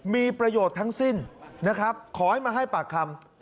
มีประโยชน์ทั้งสิ้นนะครับขอให้มาให้ปากคำ